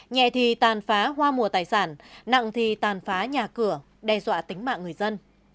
nhẹ thì tàn phá hoa mùa tài sản nặng thì tàn phá nhà cửa đe dọa tính mạng người dân